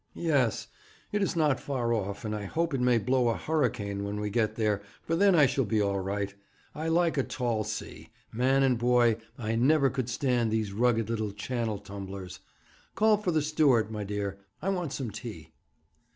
'Yes, it is not far off, and I hope it may blow a hurricane when we get there, for then I shall be all right. I like a tall sea. Man and boy, I never could stand these rugged little Channel tumblers. Call for the steward, my dear. I want some tea.'